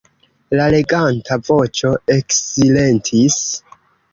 La leganta voĉo eksilentis.